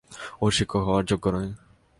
ও শিক্ষক হওয়ার যোগ্য নয়।